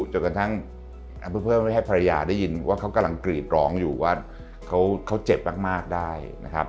จนกระทั่งเพิ่มไม่ให้ภรรยาได้ยินว่าเขากำลังกรีดร้องอยู่ว่าเขาเจ็บมากได้นะครับ